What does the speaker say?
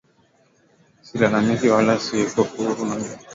Silalamiki wala sikufuru najua itapita.